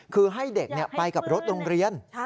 คือให้เด็กไปกับรถโรงเรียน